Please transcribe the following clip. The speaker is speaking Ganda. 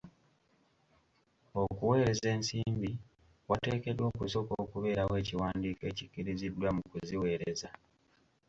Okuweereza ensimbi wateekeddwa okusooka okubeerawo ekiwandiko ekikkiriziddwa mu kuziweereza.